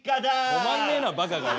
止まんねえなばかがよ。